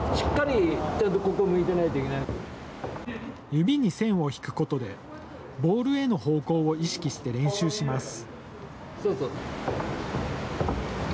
指に線を引くことでボールへの方向を意識して練習します。